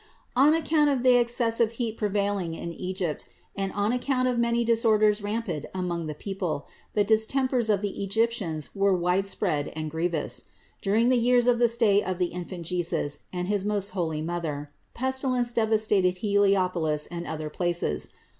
669. On account of the excessive heat prevailing in Egypt, and on account of many disorders rampant among the people, the distempers of the Egyptians were wide spread and grievous. During the years of the stay of the Infant Jesus and his most holy Mother, pestilence devastated Heliopolis and other places.